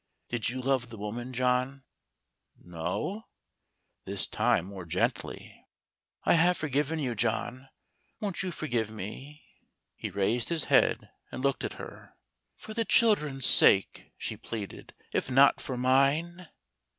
Did you love the woman, John? "" No !" This time more gently. " I have forgiven you, John. Won't you forgive me ?" He raised his head and looked at her. " For the children's sake," she pleaded, " if not for mine